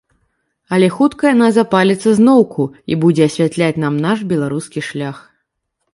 Але хутка яна запаліцца зноўку і будзе асвятляць нам наш беларускі шлях.